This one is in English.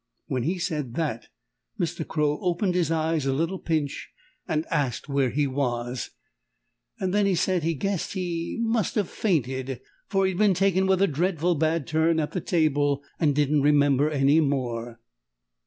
When he said that Mr. Crow opened his eyes a little pinch and asked where he was, and then he said he guessed he must have fainted, for he'd been taken with a dreadful bad turn at the table and didn't remember any more.